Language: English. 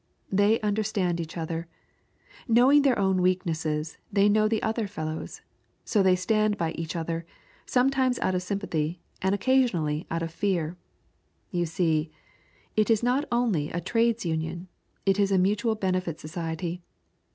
They understand each other. Knowing their own weaknesses, they know the other fellow's. So they stand by each other, sometimes out of sympathy, and occasionally out of fear. You see, it is not only a trades union, it is a mutual benefit society.